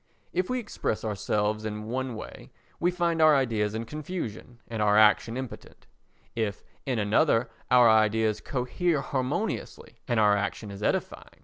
If we express ourselves in one way we find our ideas in confusion and our action impotent: if in another our ideas cohere harmoniously, and our action is edifying.